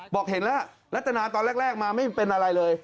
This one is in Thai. บอกเห็นแล้วรัตนาตอนแรกมาไม่เป็นอะไรเลย